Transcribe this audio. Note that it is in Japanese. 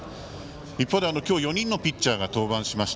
一方で今日４人のピッチャーが登板しました。